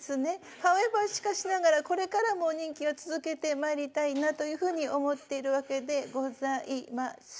Ｈｏｗｅｖｅｒしかしながらこれからも任期を続けてまいりたいなというふうに思っているわけでございます。